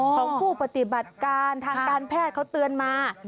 ของผู้ปฏิบัติการทางการแพทย์เขาเตือนมา